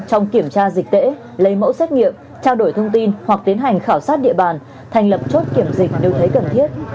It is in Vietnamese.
trong kiểm tra dịch tễ lấy mẫu xét nghiệm trao đổi thông tin hoặc tiến hành khảo sát địa bàn thành lập chốt kiểm dịch nếu thấy cần thiết